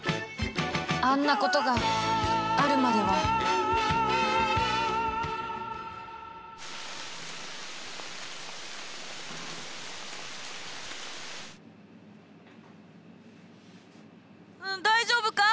あんなことがあるまでは大丈夫か！？